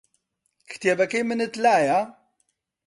کتێبەکەی منت لایە؟